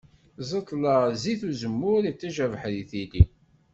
Ẓẓeṭla d zzit uzemmur, iṭij abeḥri tili.